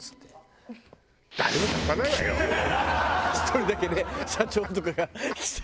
１人だけね社長とかが。